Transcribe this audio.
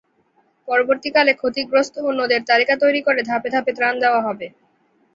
পরবর্তীকালে ক্ষতিগ্রস্ত অন্যদের তালিকা তৈরি করে ধাপে ধাপে ত্রাণ দেওয়া হবে।